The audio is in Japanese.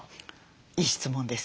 いい質問です。